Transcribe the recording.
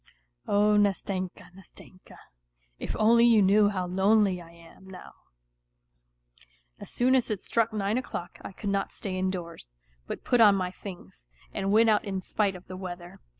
Oh, Nastenka, Nastenka ! If only you knew how lonely I am now ! As soon as it struck nine o'clock I could not stay indoors, but put on my things, and went out in spite of the weather.